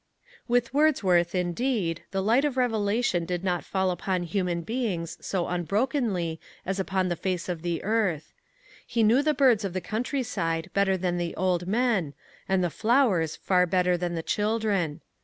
With Wordsworth, indeed, the light of revelation did not fall upon human beings so unbrokenly as upon the face of the earth. He knew the birds of the countryside better than the old men, and the flowers far better than the children.